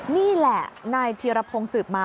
นี่แหละทีรพงศ์สืบมา